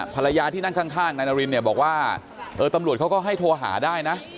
ภรรยาที่นั่งข้างนายนารินเนี่ยบอกว่าเออตำรวจเขาก็ให้โทรหาได้นะ